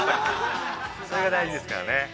それが大事ですからね。